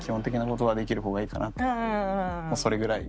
もうそれぐらい。